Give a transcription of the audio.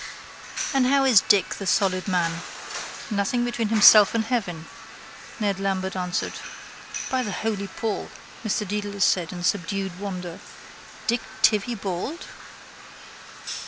—And how is Dick, the solid man? —Nothing between himself and heaven, Ned Lambert answered. —By the holy Paul! Mr Dedalus said in subdued wonder. Dick Tivy bald?